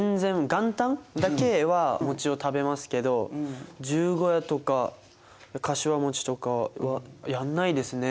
元旦だけは餅を食べますけど十五夜とかかしわ餅とかはやんないですね。